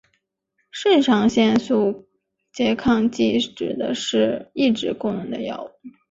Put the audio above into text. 肾上腺素拮抗剂指的是抑制功能的药物。